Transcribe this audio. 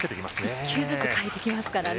１球ずつ変えてきますからね。